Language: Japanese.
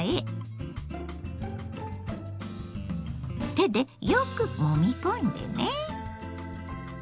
手でよくもみ込んでね。